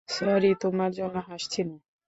Sorry, তোমার জন্য হাসছি না।